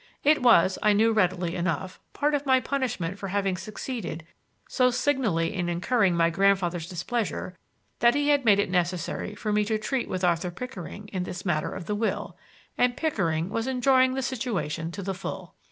It was, I knew readily enough, part of my punishment for having succeeded so signally in incurring my grandfather's displeasure that he had made it necessary for me to treat with Arthur Pickering in this matter of the will; and Pickering was enjoying the situation to the full.